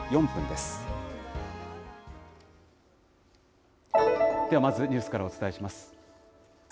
ではまずニュースからお伝えします。